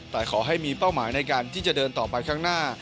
แต่ขอให้มีเป้าหมายในการที่จะเดินต่อไปข้างหน้า